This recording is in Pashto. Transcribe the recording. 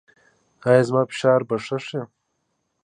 ایا زما فشار به ښه شي؟